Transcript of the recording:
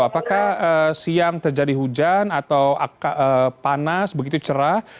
apakah siang terjadi hujan atau panas begitu cerah